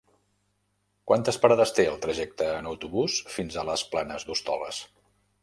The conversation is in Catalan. Quantes parades té el trajecte en autobús fins a les Planes d'Hostoles?